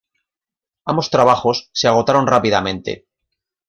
Ambos trabajos se agotaron rápidamente.